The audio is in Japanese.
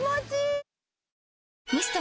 ミスト？